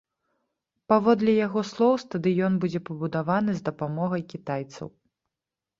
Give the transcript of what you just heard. Паводле яго слоў, стадыён будзе пабудаваны з дапамогай кітайцаў.